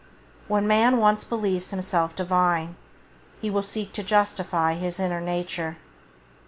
When man once believes himself Divine, he will seek to justify his inner nature.